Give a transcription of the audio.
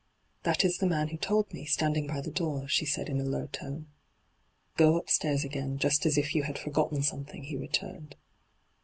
' That is the man who told me, standing hy the door,' she said in a low tone. ' Go upstaii^ again, just as if you had forgotten something,' he returned.